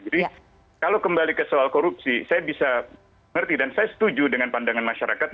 kalau kembali ke soal korupsi saya bisa mengerti dan saya setuju dengan pandangan masyarakat